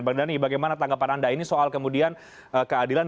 bang dhani bagaimana tanggapan anda ini soal kemudian keadilan